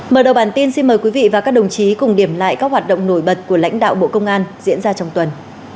mở đầu bản tin xin mời quý vị và các đồng chí cùng điểm lại các hoạt động nổi bật của lãnh đạo bộ công an diễn ra trong tuần